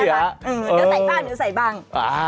ใส่บ้านหรือใส่บาง